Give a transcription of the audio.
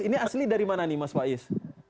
ini asli dari mana nih mas faiz